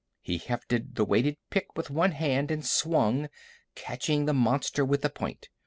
He hefted the weighted pick with one hand and swung, catching the monster with the point.